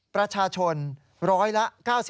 ประชาชนร้อยละ๙๐